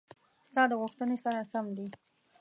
ستا د غوښتنې سره سم دي: